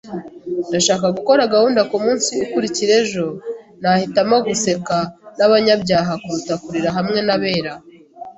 Ndashaka gukora gahunda kumunsi ukurikira ejo. Nahitamo guseka nabanyabyaha kuruta kurira hamwe nabera.